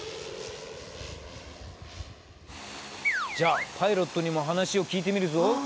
じゃあパイロットにも話を聞いてみるぞ。